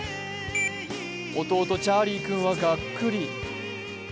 弟・チャーリー君はがっくり。